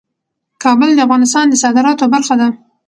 کابل د افغانستان د صادراتو برخه ده.